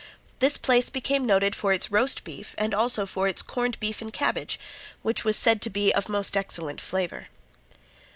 This place became noted for its roast beef and also for its corned beef and cabbage, which was said to be of most excellent flavor.